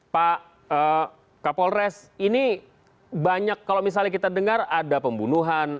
pak kapolres ini banyak kalau misalnya kita dengar ada pembunuhan